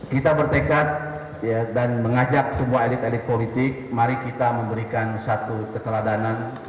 kita bertekad dan mengajak semua elit elit politik mari kita memberikan satu keteladanan